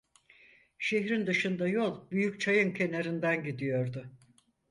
Şehrin dışında yol, büyük çayın kenarından gidiyordu.